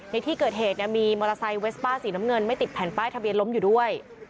ในที่เกิดเหตุมีมอเตอร์ไซค์เวสป้าสีน้ำเงินไม่ติดแผ่นป้ายทะเบียนล้มอยู่ด้วย